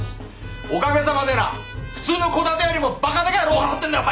おかげさまでな普通の戸建てよりもバカ高いローンを払ってんだよ